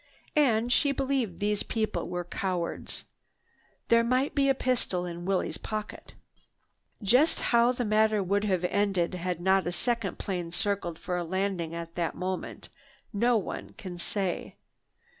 And she believed these people were cowards. There might be a pistol in Willie's pocket—just might. Just how the matter would have ended had not a second plane circled for a landing at that moment, no one can say.